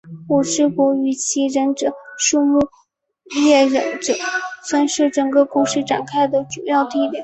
火之国与其忍者村木叶忍者村是整个故事展开的主要地点。